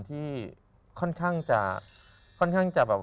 ที่ค่อนข้างคือจะ